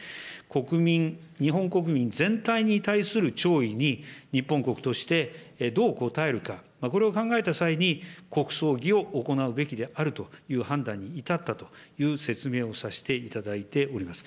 国民、日本国民全体に対する弔意に、日本国としてどう応えるか、これを考えた際に、国葬儀を行うべきであるという判断に至ったという説明をさせていただいております。